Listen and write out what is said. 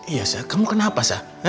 iya sa kamu kenapa sa